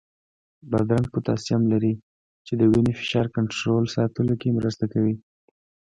بادرنګ پوتاشیم لري، چې د وینې فشار کنټرول ساتلو کې مرسته کوي.